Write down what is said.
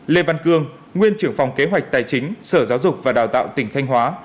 lê văn cương nguyên trưởng phòng kế hoạch tài chính sở giáo dục và đào tạo tỉnh thanh hóa